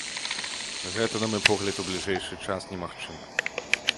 Гэта, на мой погляд, у бліжэйшы час немагчыма.